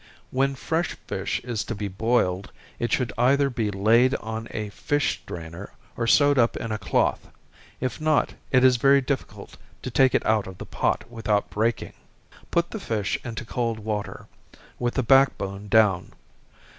When fresh fish is to be boiled, it should either be laid on a fish strainer, or sewed up in a cloth if not, it is very difficult to take it out of the pot without breaking. Put the fish into cold water, with the back bone down.